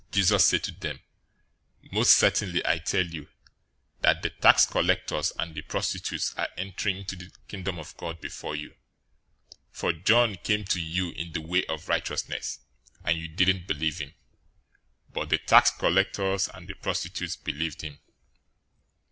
Jesus said to them, "Most certainly I tell you that the tax collectors and the prostitutes are entering into the Kingdom of God before you. 021:032 For John came to you in the way of righteousness, and you didn't believe him, but the tax collectors and the prostitutes believed him.